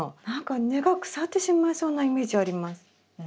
何か根が腐ってしまいそうなイメージあります。